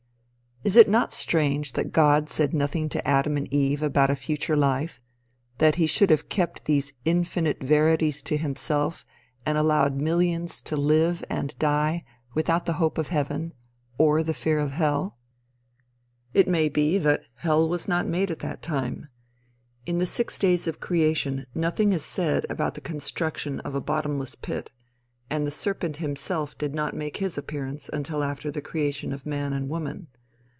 Is it not strange that God said nothing to Adam and Eve about a future life; that he should have kept these "infinite verities" to himself and allowed millions to live and die without the hope of heaven, or the fear of hell? It may be that hell was not made at that time. In the six days of creation nothing is said about the construction of a bottomless pit, and the serpent himself did not make his appearance until after the creation of man and woman.